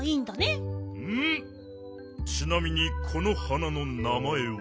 ちなみにこの花のなまえは。